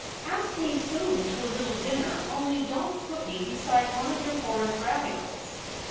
Ask me soon to a little dinner, only don't put me beside one of your horrid Radicals.